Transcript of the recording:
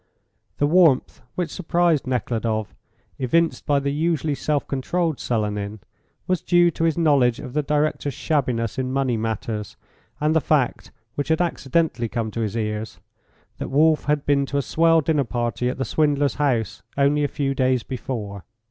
The warmth, which surprised Nekhludoff, evinced by the usually self controlled Selenin, was due to his knowledge of the director's shabbiness in money matters, and the fact, which had accidentally come to his cars, that Wolf had been to a swell dinner party at the swindler's house only a few days before.